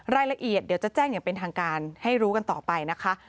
รายละเอียดเดี๋ยวจะแจ้งอย่างเป็นทางการให้รู้กันต่อไปนะคะ